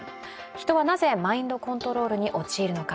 人はなぜマインドコントロールに陥るのか。